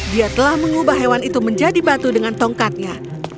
dia telah mengubah hewan itu menjadi batu dengan tongkatnya